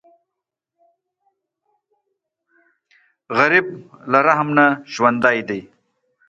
غریب له رحم نه ژوندی دی